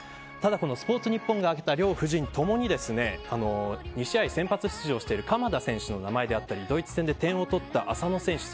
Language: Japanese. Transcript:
スポーツニッポンが挙げた両布陣ともに２試合先発している鎌田選手の名前だったりドイツ戦で点を取った浅野選手